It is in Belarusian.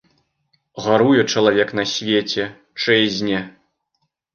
Гаруе чалавек на свеце, чэзне.